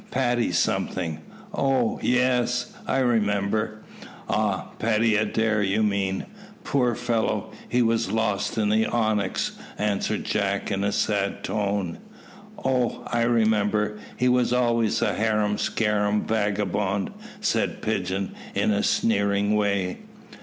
Paddy something Oh! ye es, I remember." "Ah! Paddy Adair, you mean. Poor fellow, he was lost in the Onyx," answered Jack, in a sad tone. "Oh! I remember he was always a harum scarum vagabond," said Pigeon, in a sneering way.